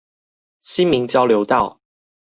新民交流道